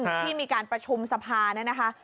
ที่มีการประชุมสภาเนี่ยนะคะ